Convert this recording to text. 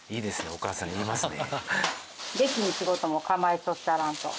お母さん言いますね。